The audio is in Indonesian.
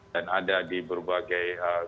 dan ada di berbagai